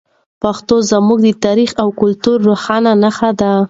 پښتو زموږ د تاریخ او کلتور روښانه نښه ده.